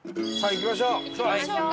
行きましょうか。